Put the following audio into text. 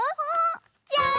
じゃん！